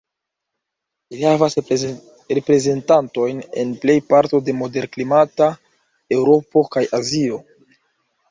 Ili havas reprezentantojn en plej parto de moderklimata Eŭropo kaj Azio.